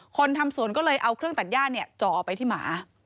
ทำสวนก็เลยเอาเครื่องตัดย่าจ่อไปที่หมา